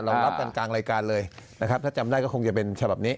รับกันกลางรายการเลยนะครับถ้าจำได้ก็คงจะเป็นฉบับนี้